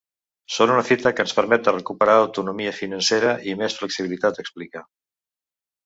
Són una fita que ens permet de recuperar autonomia financera i més flexibilitat, explica.